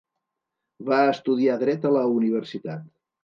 Va estudiar dret a la universitat.